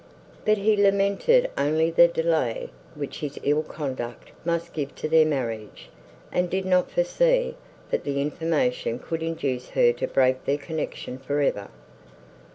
But he lamented only the delay which his ill conduct must give to their marriage, and did not foresee, that the information could induce her to break their connection for ever.